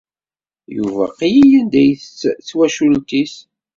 Yuba qlil anda i isett d twacult-is.